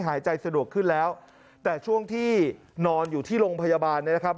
หายใจสะดวกขึ้นแล้วแต่ช่วงที่นอนอยู่ที่โรงพยาบาลเนี่ยนะครับ